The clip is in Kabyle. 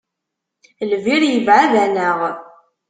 Lbir yebɛed-aneɣ.